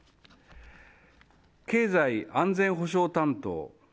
経済安全保障担当